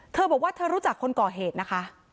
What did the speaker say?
เธอบอกว่าเธอรู้จักคนก่อเหตุนะคะ